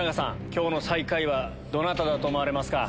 今日の最下位はどなただと思われますか？